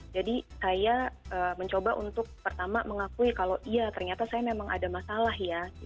jadi saya mencoba untuk pertama mengakui kalau iya ternyata saya memang ada masalah